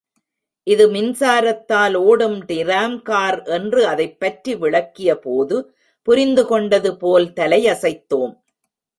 இது மின்சாரத்தால் ஒடும் DRAM car என்று அதைப் பற்றி விளக்கியபோது, புரிந்துகொண்டது போல் தலையசைத்தோம்.